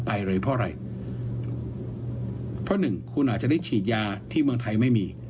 ไอเลยเพราะอะไรเพราะหนึ่งคุณอาจจะได้ฉีดยาที่เมืองไทยไม่มี